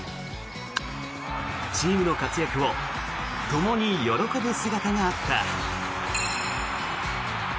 チームの活躍をともに喜ぶ姿があった。